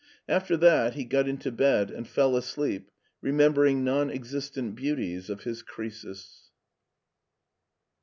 After that he got into bed and fell asleep remembering non existent beauties of his Croesus.